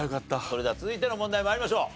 それでは続いての問題参りましょう。